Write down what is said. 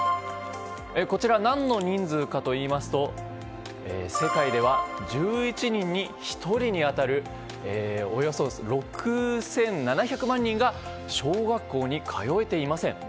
こちら、何の人数かといいますと世界では１１人に１人に当たるおよそ６７００万人が小学校に通えていません。